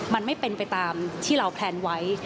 มันไม่เป็นไปตามที่เราแพลนไว้